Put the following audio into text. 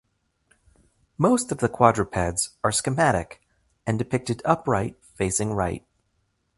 Most of the quadrupeds are schematic and depicted upright facing right.